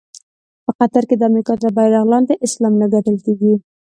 په قطر کې د امریکا تر بېرغ لاندې اسلام نه ګټل کېږي.